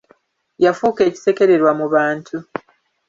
Yafuuka ekisekererwa mu bantu.